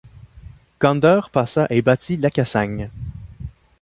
Gonder passa et battit Lacassagne.